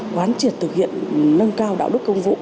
quán triệt thực hiện nâng cao đạo đức công vụ